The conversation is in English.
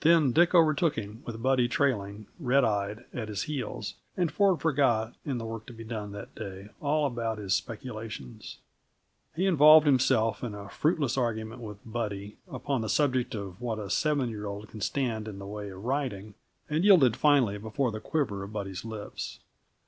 Then Dick overtook him with Buddy trailing, red eyed, at his heels, and Ford forgot, in the work to be done that day, all about his speculations. He involved himself in a fruitless argument with Buddy, upon the subject of what a seven year old can stand in the way of riding, and yielded finally before the quiver of Buddy's lips.